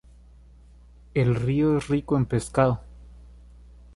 El río es rico en pescado.